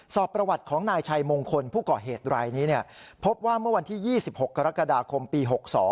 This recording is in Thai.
สอบประวัติของนายชัยมงคลผู้ก่อเหตุรายนี้พบว่าเมื่อวันที่๒๖กรกฎาคมปี๖๒